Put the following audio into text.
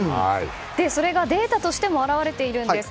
それがデータとしても表れているんです。